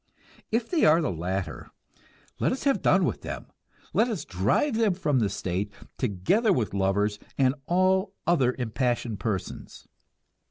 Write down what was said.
If they are the latter, let us have done with them, let us drive them from the state, together with lovers and all other impassioned persons.